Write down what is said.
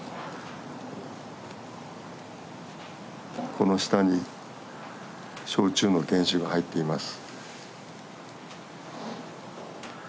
この下に焼酎の原酒が入っています。